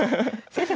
先生